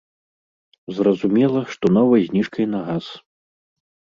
Зразумела, што новай зніжкай на газ.